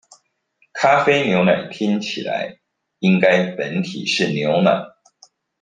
咖啡牛奶聽起來，應該本體是牛奶